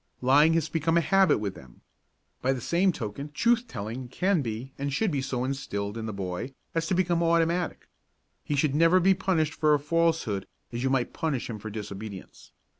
Lying has become a habit with them. By the same token truth telling can be and should be so instilled in the boy as to become automatic. He should never be punished for a falsehood as you might punish him for disobedience.